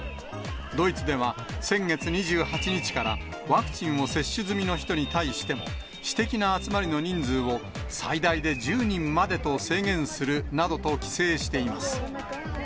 ドイツでは先月２８日から、ワクチンを接種済みの人に対しても、私的な集まりの人数を最大で１０人までと制限するなどと規制しています。